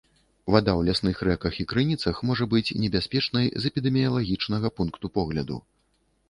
Вада ў лясных рэках і крыніцах можа быць небяспечнай з эпідэміялагічнага пункту погляду.